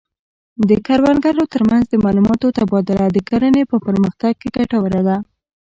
د کروندګرو ترمنځ د معلوماتو تبادله د کرنې په پرمختګ کې ګټوره ده.